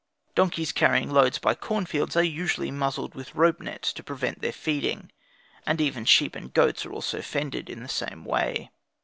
Donkeys carrying loads by cornfields are usually muzzled with rope nets, to prevent their feeding; and even sheep and goats are also fended in the same way.